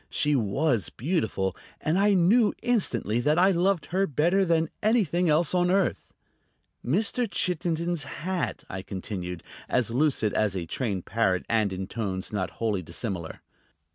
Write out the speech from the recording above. She was beautiful; and I knew instantly that I loved her better than anything else on earth. "Mr. Chittenden's hat," I continued, as lucid as a trained parrot and in tones not wholly dissimilar.